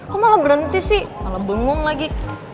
kok malah berhenti sih malah bengong lagi